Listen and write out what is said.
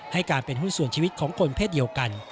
ให้การเป็นหุ้นส่วนชีวิตของคนเพศเดียวกัน